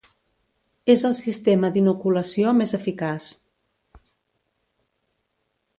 És el sistema d'inoculació més eficaç.